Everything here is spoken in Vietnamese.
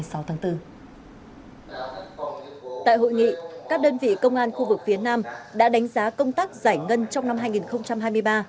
tại hội nghị các đơn vị công an khu vực phía nam đã đánh giá công tác giải ngân trong năm hai nghìn hai mươi ba